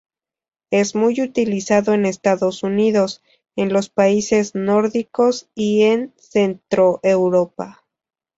Es muy utilizado en Estados Unidos, en los países nórdicos y en Centroeuropa.